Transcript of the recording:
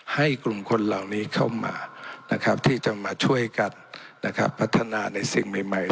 ให้กลุ่มคนเหล่านี้เข้ามาที่จะมาช่วยกันนะครับพัฒนาในสิ่งใหม่